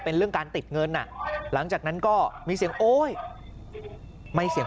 เป็นเรื่องการติดเงินหลังจากนั้นก็มีเสียงโอ๊ยไม่เสียง